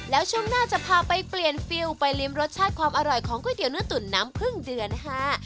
แล้วช่วงหน้าจะพาไปเปลี่ยนฟิลไปริมรสชาติความอร่อยของก๋วยเตี๋ยเนื้อตุ๋นน้ำพึ่งเดือนฮา